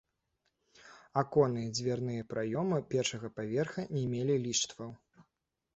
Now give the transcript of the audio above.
Аконныя і дзвярныя праёмы першага паверха не мелі ліштваў.